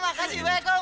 makasih banyak om